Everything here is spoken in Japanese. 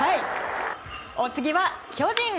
お次は巨人。